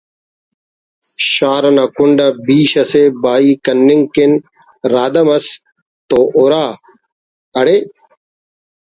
شار انا کنڈ آ بیش اسے بہائی کننگ کن رادہ مس تو ہُرا …… اڑے